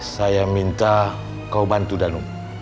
saya minta kau bantu danu